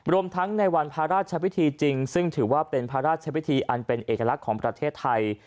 รวมทั้งในวันพระราชพิธีจริงซึ่งถือว่าเป็นพระราชพิธีอันเป็นเอกลักษณ์ของประเทศไทย